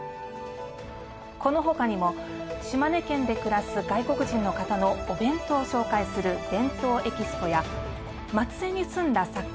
この他にも島根県で暮らす外国人の方のお弁当を紹介する「ＢＥＮＴＯＥＸＰＯ」や松江に住んだ作家